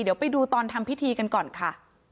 เดี๋ยวไปดูตอนทำพิธีกันก่อนค่ะ